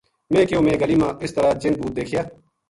میں کہیو میں گلی ما اس طرح جِن بھُوت دیکھیا